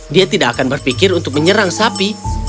dia tidak akan berpikir untuk menyerang sapi